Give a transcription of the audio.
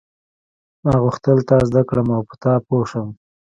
ما غوښتل تا زده کړم او په تا پوه شم.